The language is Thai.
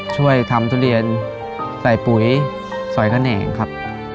ช่วยทำทุเรียนใส่ปุ๋ยสอยแขนงครับ